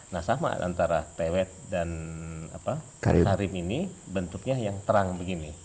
nah sama antara tewet dan karim ini bentuknya yang terang begini